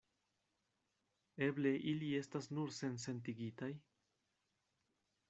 Eble ili estas nur sensentigitaj?